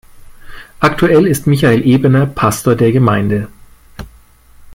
Aktuell ist Michael Ebener Pastor der Gemeinde.